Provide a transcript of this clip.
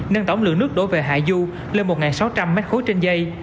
nâng tổng lượng nước đổ về hải du lên một sáu trăm linh mét khối trên dây